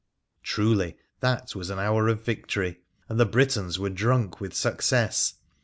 Truly that was an hour of victory, and the Britons were drunk with success.